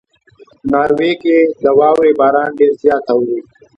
ناروې کې د واورې باران ډېر زیات اوري.